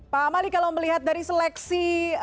pak amali kalau melihat dari seleksi